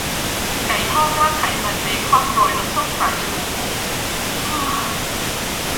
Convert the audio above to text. ไก่ทอดราดไขมันเบคอนโรยน้ำส้มสายชูผง อา